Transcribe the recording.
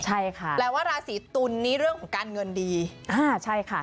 ใช่ค่ะแปลว่าราศีตุลนี้เรื่องของการเงินดีอ่าใช่ค่ะ